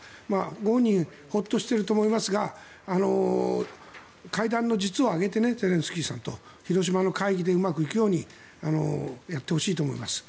ご本人ホッとしていると思いますが会談の実を上げてゼレンスキーさんと広島の会議でうまくいくようにやってほしいと思います。